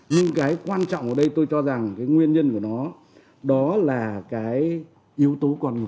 nhưng cái quan trọng ở đây tôi cho rằng cái nguyên nhân của nó đó là cái yếu tố con người